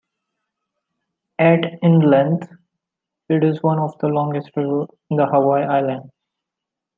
At in length, it is one of the longest rivers in the Hawaiian Islands.